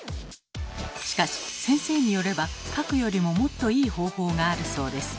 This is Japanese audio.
しかし先生によれば「かく」よりももっといい方法があるそうです。